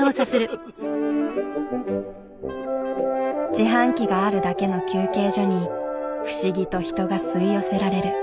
自販機があるだけの休憩所に不思議と人が吸い寄せられる。